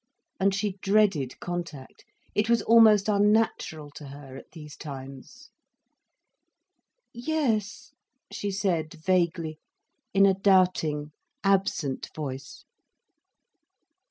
And she dreaded contact, it was almost unnatural to her at these times. "Yes," she said vaguely, in a doubting, absent voice.